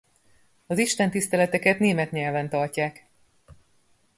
Az istentiszteleteket német nyelven tartják.